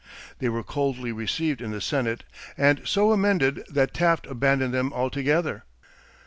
They were coldly received in the Senate and so amended that Taft abandoned them altogether.